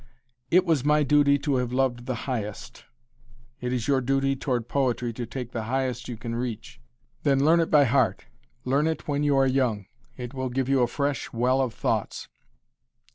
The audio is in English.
"It was my duty to have loved the highest." It is your duty toward poetry to take the highest you can reach. Then learn it by heart. Learn it when you are young. It will give you a fresh well of thoughts.